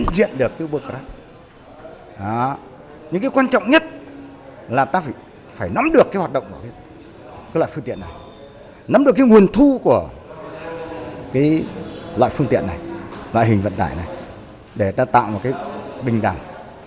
loại phương tiện này loại hình vận tải này để ta tạo một cái bình đẳng